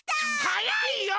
はやいよ！